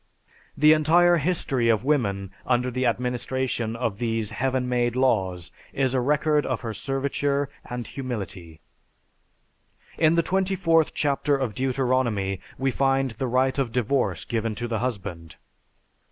The entire history of woman under the administration of these "heaven made" laws is a record of her serviture and humility. In the 24th chapter of Deuteronomy we find the right of divorce given to the husband.